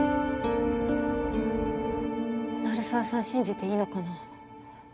鳴沢さん信じていいのかな？